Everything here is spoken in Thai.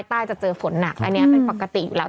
จะเจอฝนหนักอันนี้เป็นปกติอยู่แล้ว